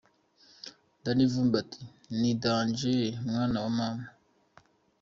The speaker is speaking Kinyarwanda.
Danny Vumbi ati" Ni dangeeeeeehhhh mwana wa mama.